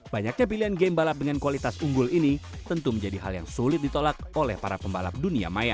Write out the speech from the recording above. banyaknya pilihan game balap dengan kualitas unggul ini tentu menjadi hal yang sulit ditolak oleh para pembalap dunia maya